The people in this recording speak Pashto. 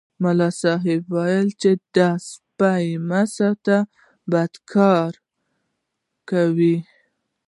ملا صاحب ویل دا سپي مه ساتئ بد کار کوي.